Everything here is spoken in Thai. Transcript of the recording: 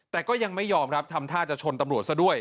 แต่ก็ยังไม่ยอมครับทำท่าจะชนตำรวจซะด้วย